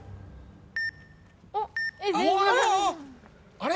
あれ？